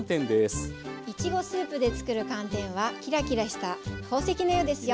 いちごスープでつくる寒天はキラキラした宝石のようですよ。